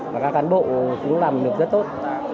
và các cán bộ cũng làm được rất tốt